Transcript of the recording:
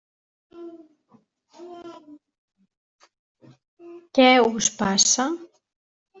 Què us passa?